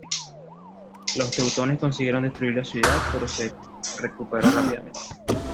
Los teutones consiguieron destruir la ciudad, pero se recuperó rápidamente.